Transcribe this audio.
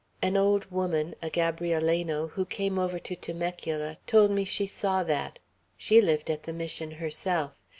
An old woman, a Gabrieleno, who came over to Temecula, told me she saw that. She lived at the Mission herself.